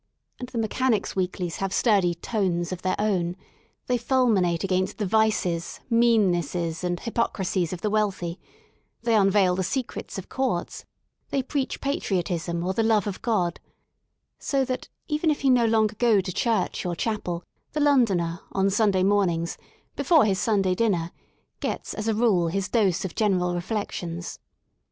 And the mechanics' Weeklies have sturdy "tones*' of their own; they ■ fulminate against the vices, meannesses and hypo crisies of the wealthy; they unveil the secrets of Courts; they preach patriotism or the love of God, So thatj even if he no longer go to church or chapel, the Londoner on Sunday mornings, before his Sunday dinner, gets as a rule his dose of general reflections.